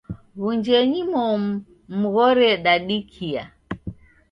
Wunjenyi momu mughore dadikia.